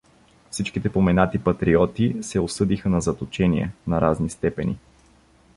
Всичките поменати патриоти се осъдиха на заточение на разни степени.